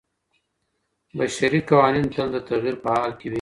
بشري قوانین تل د تغیر په حال کي وي.